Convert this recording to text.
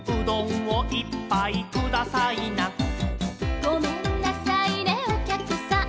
「『ごめんなさいね、おきゃくさん。